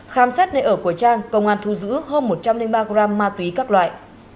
khám xét nơi ở của trang công an thu giữ hơn một trăm linh ba gram ma túy các loại